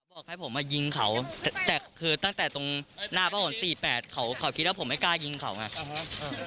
บอกให้ผมมายิงเขาแต่คือตั้งแต่ตรงหน้าพระหล๔๘เขาเขาคิดว่าผมไม่กล้ายิงเขาไง